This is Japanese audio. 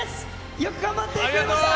よく頑張ってくれました。